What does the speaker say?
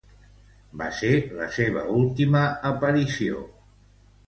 Va ser la seua última aparició.